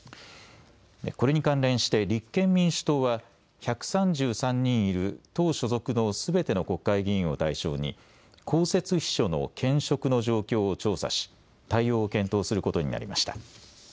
これに関連して立憲民主党は１３３人いる党所属のすべての国会議員を対象に公設秘書の兼職の状況を調査し対応を検討することになりました。